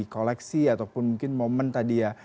koleksi ataupun mungkin momen tadi ya